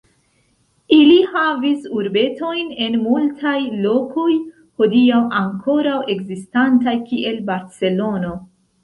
Ili havis urbetojn en multaj lokoj hodiaŭ ankoraŭ ekzistantaj kiel Barcelono.